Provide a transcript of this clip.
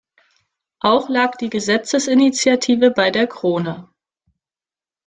Auch lag die Gesetzesinitiative bei der Krone.